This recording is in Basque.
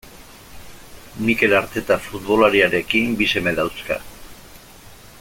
Mikel Arteta futbolariarekin bi seme dauzka.